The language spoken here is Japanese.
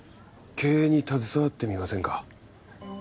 経営に携わってみませんか？